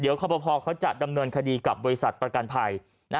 เดี๋ยวครอบครัวจะดำเนินคดีกับบริษัทประกันภัย